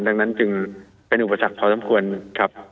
ดังนั้นจึงเป็นอุปสรรคพอสมควรครับ